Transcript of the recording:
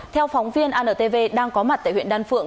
theo phóng viên antv đang có mặt tại huyện đan phượng